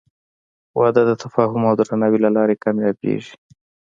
• واده د تفاهم او درناوي له لارې کامیابېږي.